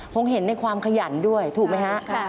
เห็นในความขยันด้วยถูกไหมฮะ